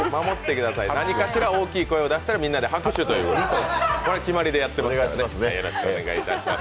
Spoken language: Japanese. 何かしら大きい声を出したらみんなで拍手をするということでよろしくお願いします。